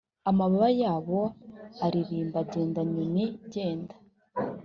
amababa yabo aririmba genda inyoni genda